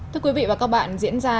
thưa quý vị và các bạn diễn ra